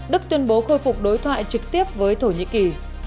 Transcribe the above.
đức tuyên bố khôi phục đối thoại trực tiếp với thổ nhĩ kỳ